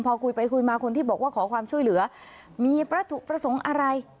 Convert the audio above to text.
พอคุยไปคุยมาคนที่บอกว่าขอความช่วยเหลือมีวัตถุประสงค์อะไร